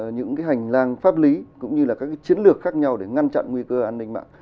những cái hành lang pháp lý cũng như là các chiến lược khác nhau để ngăn chặn nguy cơ an ninh mạng